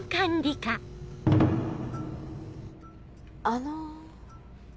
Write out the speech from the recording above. あの。